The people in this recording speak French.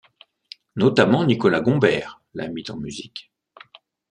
Notamment Nicolas Gombert la mit en musique.